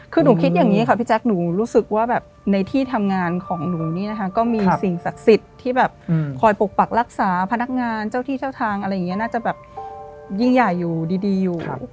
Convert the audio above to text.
คือหนูคิดอย่างนี้ค่ะพี่แจ๊คหนูรู้สึกว่าแบบในที่ทำงานของหนูนี่นะคะก็มีสิ่งศักดิ์สิทธิ์ที่แบบคอยปกปักรักษาพนักงานเจ้าที่เจ้าทางอะไรอย่างนี้น่าจะแบบยิ่งใหญ่อยู่ดีอยู่